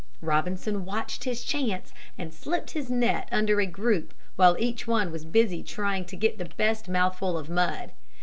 Robinson watched his chance and slipped his net under a group, while each one was busy trying to get the best mouthful of mud.